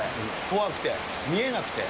怖くて、見えなくて。